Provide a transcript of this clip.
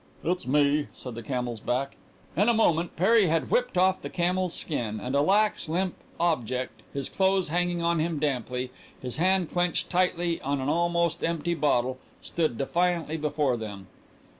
"It's me," said the camel's back. In a minute Perry had whipped off the camel's skin, and a lax, limp object, his clothes hanging on him damply, his hand clenched tightly on an almost empty bottle, stood defiantly before them.